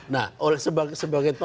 nah oleh sebagai